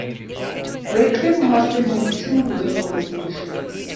Recklinghausen has two railway stations.